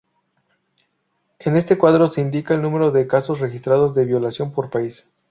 En este cuadro se indica el número de casos registrados de violación por país.